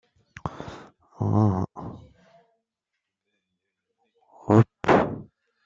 Sa capitale était Tachkent, aujourd'hui capitale de l'Ouzbékistan.